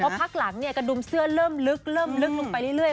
เพราะพักหลังกระดุมเสื้อเริ่มลึกลงไปเรื่อย